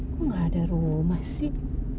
kok nggak ada rumah sih